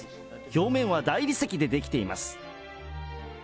表面は大理石で出来ています。